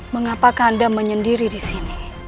mengapa kanda menyendiri di sini